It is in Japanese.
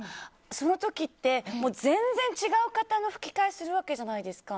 その時って、全然違う方の吹き替えするわけじゃないですか。